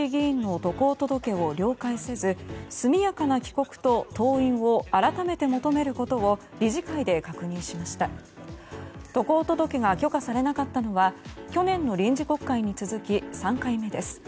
渡航届が許可されたのは去年の臨時国会に続き３回目です。